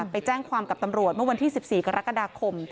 ไปแจ้งความกับตำรวจเมื่อวันที่๑๔กรกฎาคม